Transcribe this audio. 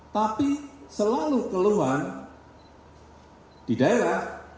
tapi selalu keluhan di daerah